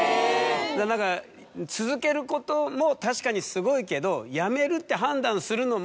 だから続けることも確かにすごいけど。